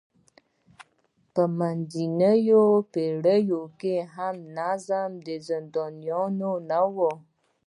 په منځنیو پېړیو کې هم منظم زندانونه نه وو.